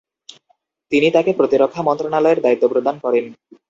তিনি তাকে প্রতিরক্ষা মন্ত্রণালয়ের দায়িত্ব প্রদান করেন।